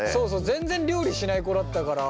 全然料理しない子だったから。